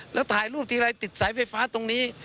แล้วถ่ายรูปทีไรติดสายไฟฟ้าตรงนี้